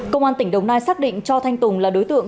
công an tỉnh đồng nai xác định cho thanh tùng là đối tượng